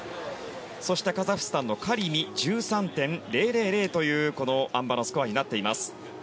そしてカザフスタンのカリミ１３．０００というあん馬のスコアになっています。